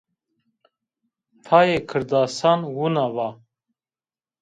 Tayê kirdasan wina va